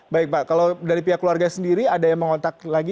baik pak kalau dari pihak keluarga sendiri ada yang mengontak lagi